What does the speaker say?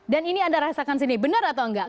dan ini anda rasakan sini benar atau enggak